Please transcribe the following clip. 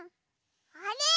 あれ？